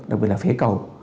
đặc biệt là phế cầu